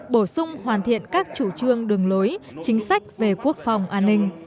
bổ sung hoàn thiện các chủ trương đường lối chính sách về quốc phòng an ninh